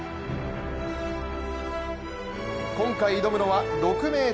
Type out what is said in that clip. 今回挑むのは６ｍ２ｃｍ。